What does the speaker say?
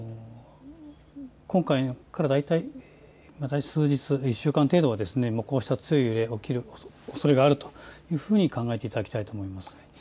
今回から数日、１週間程度は強い揺れ、起きるおそれがあるというふうに考えていただきたいと思います。